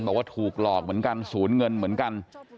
บอกว่าถูกหลอกเหมือนกันศูนย์เงินเหมือนกัน